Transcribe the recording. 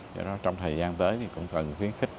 do đó trong thời gian tới thì cũng cần khuyến khích